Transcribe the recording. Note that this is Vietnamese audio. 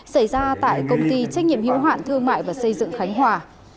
xảy ra tại công ty trách nhiệm hiểu hoạn thương mại và xây dựng khánh hòa